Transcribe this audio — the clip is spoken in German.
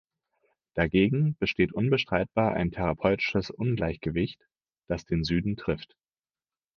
Dagegen besteht unbestreitbar ein therapeutisches Ungleichgewicht, das den Süden trifft.